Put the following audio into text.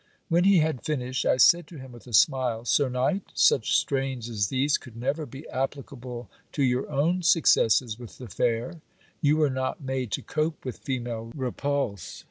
When he had finished, I said to him with a smile, Sir knight, such strains as these could never be applicable to your own successes with the fair. You were not made to cope with female repulse.